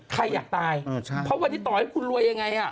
ใครอยากตายเพราะวันนี้ต่อให้คุณรวยยังไง